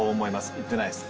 いってないです